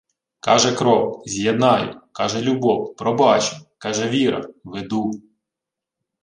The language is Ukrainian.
Каже кров: з'єднаю! Каже любов: пробачу! Каже віра: веду!